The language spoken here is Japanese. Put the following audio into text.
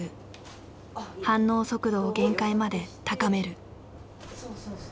反応速度を限界まで高める。